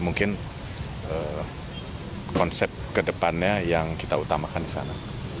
mungkin konsep kedepannya yang kita utamakan di sana